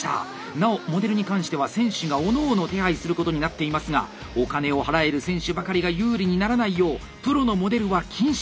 なおモデルに関しては選手がおのおの手配することになっていますがお金を払える選手ばかりが有利にならないようプロのモデルは禁止。